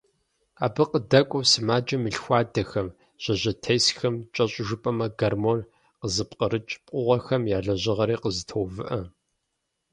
Абы къыдэкӀуэу, сымаджэм и лъхуадэхэм, жьэжьейтесхэм, кӀэщӀу жыпӀэмэ, гормон къызыпкърыкӀ пкъыгъуэхэм я лэжьыгъэри къызэтоувыӀэ.